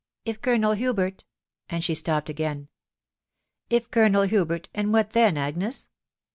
if Colonel Hubert ".... and she stopt again. " If Colonel Hubert „... and what then, Agnes?"